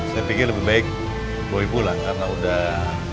saya pikir lebih baik boleh pulang karena udah